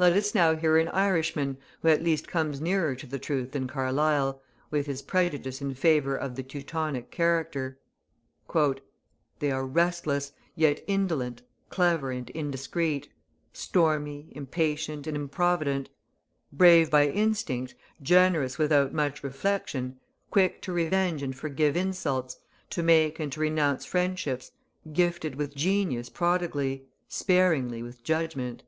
Let us now hear an Irishman, who at least comes nearer to the truth than Carlyle, with his prejudice in favour of the Teutonic character: "They are restless, yet indolent, clever and indiscreet, stormy, impatient, and improvident; brave by instinct, generous without much reflection, quick to revenge and forgive insults, to make and to renounce friendships, gifted with genius prodigally, sparingly with judgment."